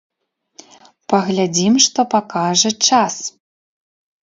Паглядзім, што пакажа час!